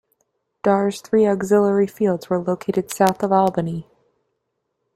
Darr's three auxiliary fields were located south of Albany.